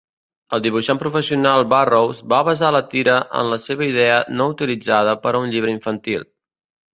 El dibuixant professional Barrows va basar la tira en la seva idea no utilitzada per a un llibre infantil.